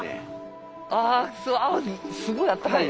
あすごいあったかいね。